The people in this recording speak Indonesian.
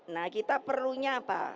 nah kita perlunya apa